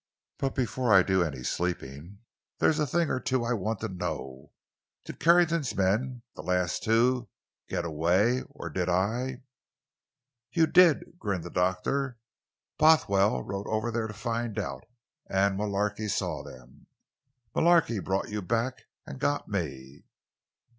But before I do any sleeping, there's a thing I want to know. Did Carrington's men—the last two—get away, or did I——" "You did," grinned the doctor. "Bothwell rode over there to find out—and Mullarky saw them. Mullarky brought you back—and got me."